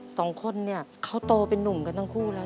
สองคนเนี่ยเขาโตเป็นนุ่มกันทั้งคู่แล้ว